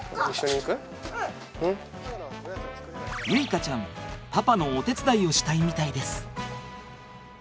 結花ちゃんパパのお手伝いをしたいみたいです。